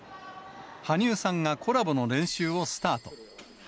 羽生さんがコラボの練習をスタート。